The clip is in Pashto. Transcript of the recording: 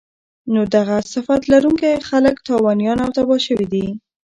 نو دغه صفت لرونکی خلک تاوانيان او تباه شوي دي